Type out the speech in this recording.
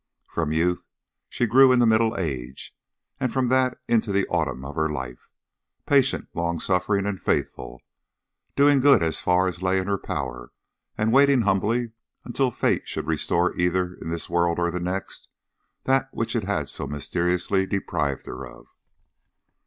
From youth she grew into middle age, and from that into the autumn of her life, patient, long suffering, and faithful, doing good as far as lay in her power, and waiting humbly until fate should restore either in this world or the next that which it had so mysteriously deprived her of.